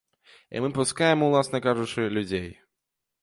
І мы пускаем, уласна кажучы, людзей.